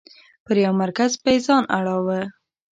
پر یو مرکز به یې ځان اړوه.